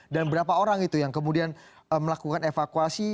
dan berapa orang itu yang kemudian melakukan evakuasi